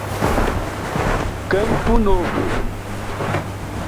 Campo Novo